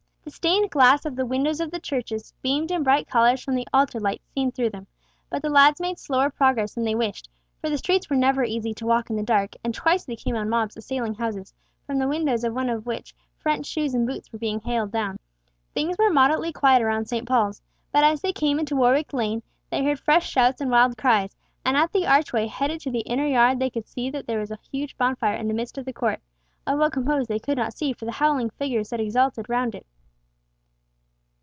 The stained glass of the windows of the Churches beamed in bright colours from the Altar lights seen through them, but the lads made slower progress than they wished, for the streets were never easy to walk in the dark, and twice they came on mobs assailing houses, from the windows of one of which, French shoes and boots were being hailed down. Things were moderately quiet around St. Paul's, but as they came into Warwick Lane they heard fresh shouts and wild cries, and at the archway heading to the inner yard they could see that there was a huge bonfire in the midst of the court—of what composed they could not see for the howling figures that exulted round it.